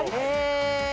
え。